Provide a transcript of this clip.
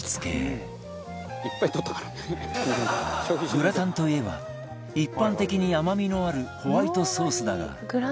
グラタンといえば一般的に甘みのあるホワイトソースだが財前は